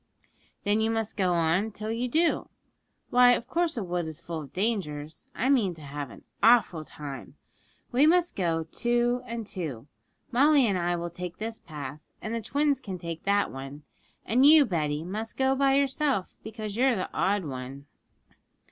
'Then you must go on till you do. Why, of course a wood is full of dangers. I mean to have an awful time. We must go two and two; Molly and I will take this path, and the twins can take that one, and you, Betty, must go by yourself, because you're the odd one.'